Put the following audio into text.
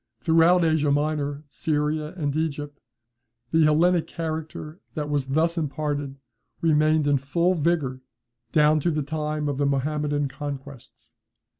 ] Throughout Asia Minor, Syria, and Egypt, the Hellenic character that was thus imparted, remained in full vigour down to the time of the Mahometan conquests.